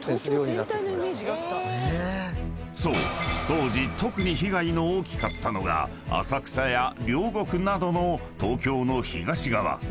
当時特に被害の大きかったのが浅草や両国などの東京の東側］